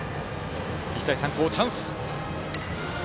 日大三高、チャンス。